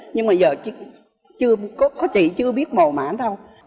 nhưng mà giờ có chị chưa biết mồ mãn đâu